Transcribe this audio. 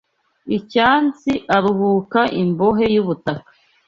icyatsi Aruhuka imbohe yubutaka